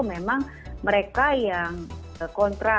memang mereka yang kontra